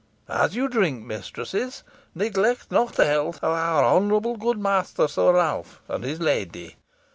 As you drink, mistresses, neglect not the health of our honourable good master Sir Ralph, and his lady.